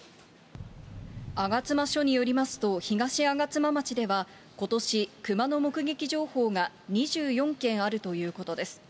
吾妻署によりますと、東吾妻町ではことし、熊の目撃情報が２４件あるということです。